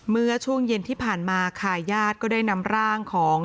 เมื่อช่วงเย็นที่ผ่านมาค่ะญาติก็ได้นำร่างของ